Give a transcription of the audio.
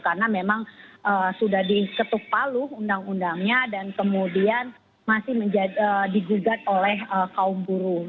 karena memang sudah diketuk paluh undang undangnya dan kemudian masih digugat oleh kaum buruh